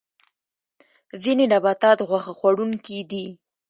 ځینې نباتات غوښه خوړونکي دي